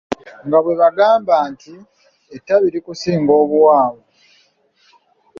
Nga bwe bagamba nti, ettabi likusinga obuwanvu!